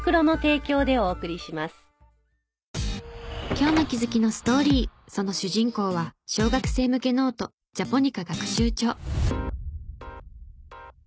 今日の気づきのストーリーその主人公は小学生向けノートジャポニカ学習帳。